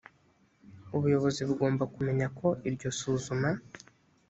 ubuyobozi bugomba kumenya ko iryo suzuma